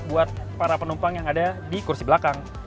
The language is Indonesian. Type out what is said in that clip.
buat para penumpang yang ada di kursi belakang